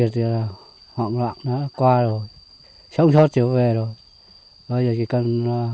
trong suốt chiều về rồi bây giờ chỉ cần